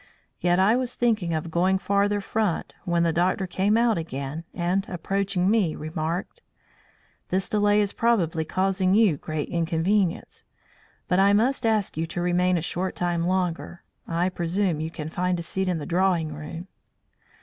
Yet I was thinking of going farther front when the doctor came out again and, approaching me, remarked: "This delay is probably causing you great inconvenience. But I must ask you to remain a short time longer. I presume you can find a seat in the drawing room."